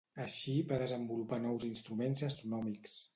Així va desenvolupar nous instruments astronòmics.